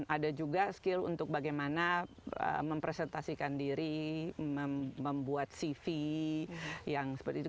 ada juga skill untuk bagaimana mempresentasikan diri membuat cv yang seperti itu